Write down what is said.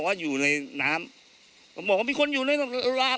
ก็ประมาณ๑๐วิได้ครับ